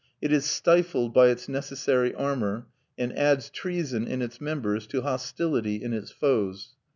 It is stifled by its necessary armour, and adds treason in its members to hostility in its foes.